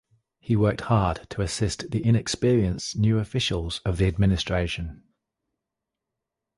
He worked hard to assist the inexperienced new officials of the administration.